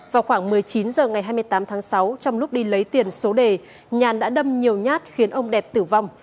vào khoảng một mươi chín h ngày hai mươi tám tháng sáu trong lúc đi lấy tiền số đề nhàn đã đâm nhiều nhát khiến ông đẹp tử vong